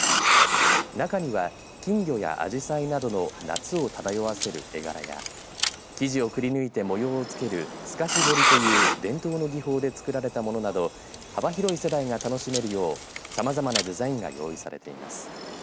中には金魚やアジサイなどの夏を漂わせる絵柄や生地をくりぬいて模様を付ける透かし彫りという伝統の技法で作られたものなど幅広い世代が楽しめるようさまざまなデザインが用意されています。